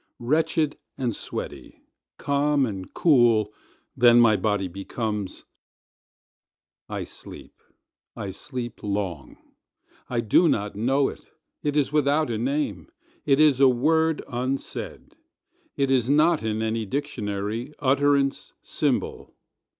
Wrench'd and sweaty—calm and cool then my body becomes;I sleep—I sleep long.I do not know it—it is without name—it is a word unsaid; It is not in any dictionary, utterance, symbol.